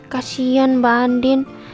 kasian mbak andin